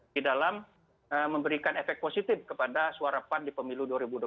di dalam memberikan efek positif kepada suara pan di pemilu dua ribu dua puluh